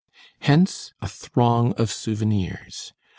Hence a throng of souvenirs.